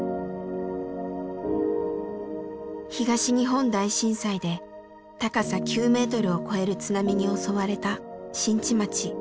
東日本大震災で高さ９メートルを超える津波に襲われた新地町。